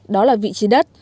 đó là vị trí đất